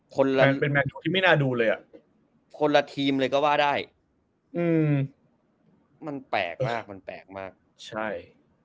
คนหลังเป็นไม่น่าดูเลยคนนาทีมเลยก็ว่าได้มันแปลกมากมันแปลกมากใช่